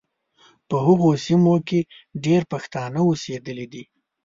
په هغو سیمو کې ډېر پښتانه اوسېدلي دي.